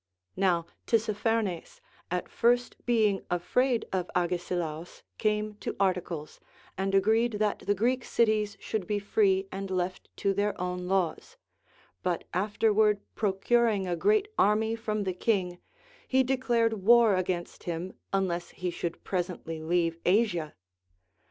Now Tissaphernes, at first being afraid of Agesilaus, came to articles, and agreed that the Greek cities should be free and left to their own laws ; but afterward procuring a great army from the king, he declared war against him unless he should presently leave Asia.